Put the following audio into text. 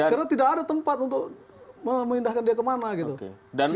karena tidak ada tempat untuk memindahkan dia ke mana mana